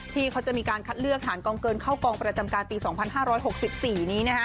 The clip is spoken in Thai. ที่เขาจะมีการคัดเลือกฐานกองเกินเข้ากองประจำการปี๒๕๖๔นี้